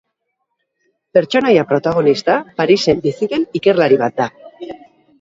Pertsonaia protagonista Parisen bizi den ikerlari bat da.